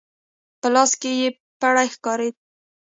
په لاس کې يې پړی ښکارېده.